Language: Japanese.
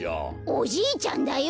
おじいちゃんだよ！